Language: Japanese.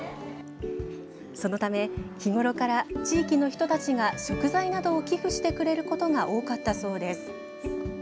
そのため、日ごろから地域の人たちが食材などを寄付してくれることが多かったそうです。